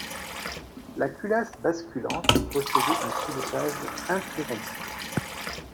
La culasse basculante possédait un filetage interrompu.